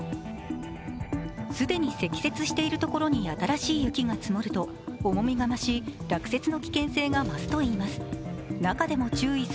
既に積雪している所に新しい雪が積もると重みが増し、落雪の危険性が増すといいます。